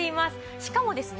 しかもですね